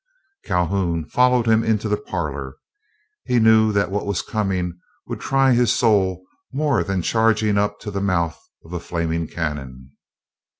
Calhoun followed him into the parlor. He knew that what was coming would try his soul more than charging up to the mouth of a flaming cannon.